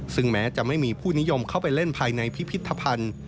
ซึ่งแม้จะไม่มีผู้นิยมเข้าไปเล่นภายในพิพิธภัณฑ์